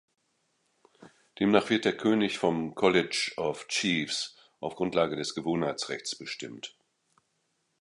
Demnach wird der König vom "College of Chiefs" auf Grundlage des Gewohnheitsrechts bestimmt.